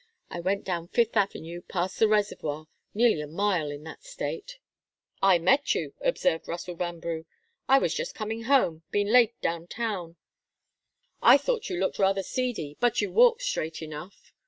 I went down Fifth Avenue, past the reservoir nearly a mile in that state." "I met you," observed Russell Vanbrugh. "I was just coming home been late down town. I thought you looked rather seedy, but you walked straight enough."